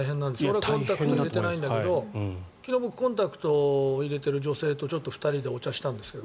僕はコンタクト入れてないんだけど昨日、僕コンタクトを入れている女性と２人でお茶をしたんですけど。